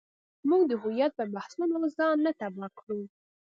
موږ د هویت پر بحثونو ځان نه تباه کړو.